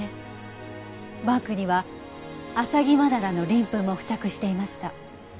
バッグにはアサギマダラの鱗粉も付着していました。